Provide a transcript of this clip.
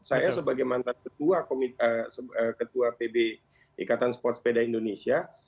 saya sebagai mantan ketua pb ikatan sport sepeda indonesia